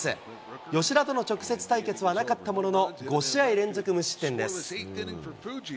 吉田との直接対決はなかったものの、５試合連続無失点です。